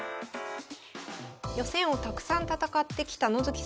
予選をたくさん戦ってきた野月先生